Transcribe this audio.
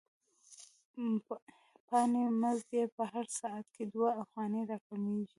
یانې مزد یې په هر ساعت کې دوه افغانۍ را کمېږي